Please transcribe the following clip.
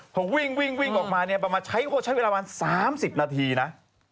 พอวิ่งออกมาประมาณใช้เวลา๓๐นาทีนะ